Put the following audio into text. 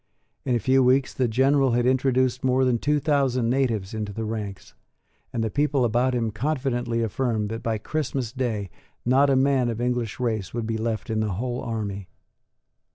In a few weeks the General had introduced more than two thousand natives into the ranks; and the people about him confidently affirmed that by Christmas day not a man of English race would be left in the whole army.